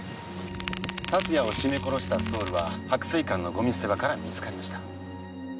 龍哉をしめ殺したストールは白水館のゴミ捨て場から見つかりました。